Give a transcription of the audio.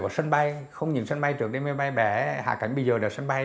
sân bay không những sân bay trước đây máy bay bé hạ cánh bây giờ là sân bay